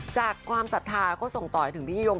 ความศรัทธาเขาส่งต่อให้ถึงพี่ยุง